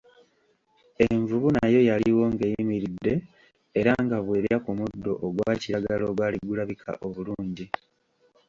Envubu nayo yaliwo ng'eyimiridde era nga bw'erya ku muddo ogwa kiragala ogwali gulabika obulungi.